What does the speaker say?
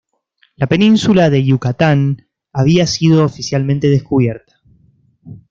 La península de Yucatán había sido oficialmente descubierta.